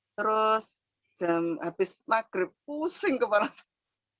terus jam habis maghrib pusing kepala sekolah